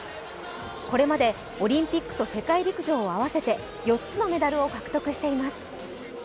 これまでオリンピックと世界陸上を合わせて４つのメダルを獲得しています。